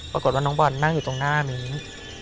ปรากฏว่าน้องบอลนั่งอยู่ตรงหน้ามิ้ง